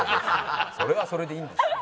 それはそれでいいんですよ。